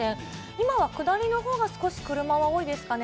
今は下りのほうが少し車は多いですかね。